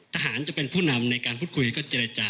ทหารจะเป็นผู้นำในการพูดคุยก็เจรจา